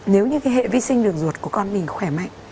nếu như cái hệ vi sinh đường ruột của con mình khỏe mạnh